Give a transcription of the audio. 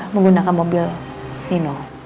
menggunakan mobil nino